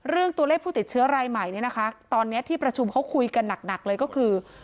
เรื่องตัวเลขผู้ติดเชื้อรายใหม่เนี่ยนะคะตอนนี้ที่ประชุมเขาคุยกันหนักเลยก็คือ